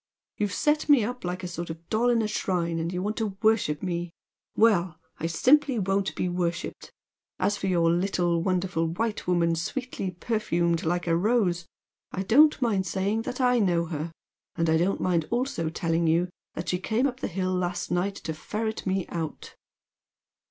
You've set me up like a sort of doll in a shrine and you want to worship me well! I simply won't be worshipped. As for your 'little wonderful white woman sweetly perfumed like a rose,' I don't mind saying that I know her. And I don't mind also telling you that she came up the hill last night to ferret me out."